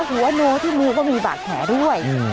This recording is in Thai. หัวโนที่มือก็มีบาดแผลด้วย